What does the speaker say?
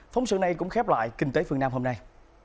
phóng sự này cũng khép lại kinh tế phương nam hôm nay